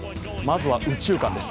まずは、右中間です。